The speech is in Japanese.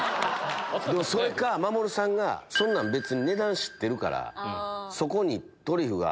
それか真守さんがそんなん別に値段知ってるからそこにトリュフが。